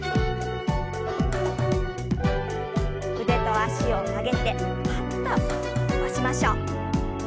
腕と脚を上げてパッと伸ばしましょう。